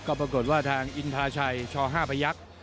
ก็ปรากฏว่าทางอินทาชัยช๕พยักษ์